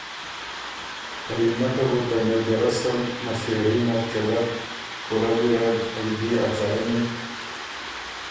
ا یونټه بو ته مېجر رسل مِݭېري نر چلک۔ کُورۀ ګیرډ ائ بئے افسرنی